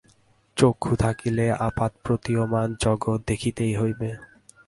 চক্ষু থাকিলে আপাতপ্রতীয়মান জগৎ দেখিতেই হইবে।